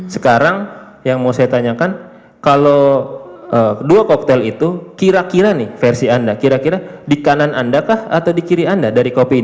sekarang yang mau saya tanyakan kalau dua koktel itu kira kira nih versi anda kira kira di kanan anda kah atau di kiri anda dari kopi ini